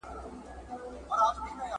دومره ستړی سو چي ځان ورڅخه هېر سو !.